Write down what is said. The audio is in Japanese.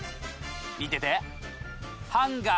見てて！